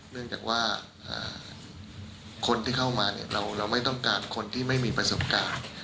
เนื่องจากว่าคนที่เข้ามาเราไม่ต้องการคนที่ไม่มีประสบการณ์